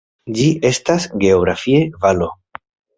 Ĝi estas geografie valo.